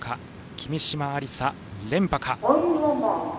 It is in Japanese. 君嶋愛梨沙、連覇か。